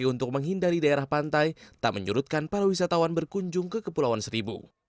untuk menghindari daerah pantai tak menyurutkan para wisatawan berkunjung ke kepulauan seribu